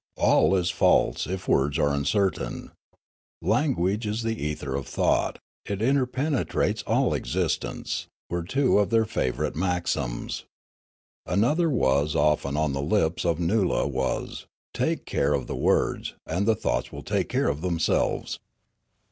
" All is false, if words are uncertain," " Language is the ether of thought ; it interpenetrates all existence," were two of their favourite maxims. Another that was often on the lips of Noola was :" Take care of the words, and the thoughts will take care of themselves.